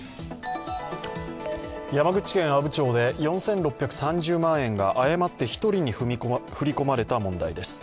山口県阿武町で４６３０万円が、誤って１人に振り込まれた問題です。